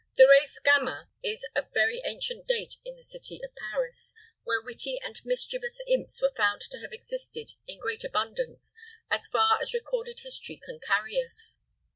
The race gamin is of very ancient date in the city of Paris, where witty and mischievous imps are found to have existed in great abundance as far as recorded history can carry us.